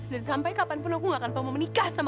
dan sampai kapanpun aku gak akan mau menikah sama kamu